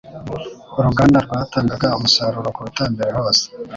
Uruganda rwatangaga umusaruro kuruta mbere hose